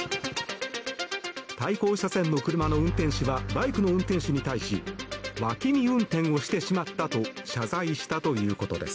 対向車線の車の運転手はバイクの運転手に対し脇見運転をしてしまったと謝罪したということです。